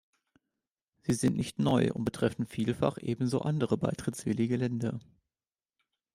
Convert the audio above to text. Sie sind nicht neu und betreffen vielfach ebenso andere beitrittswillige Länder.